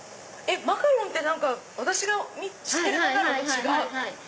マカロンって私が知ってるマカロンと違う。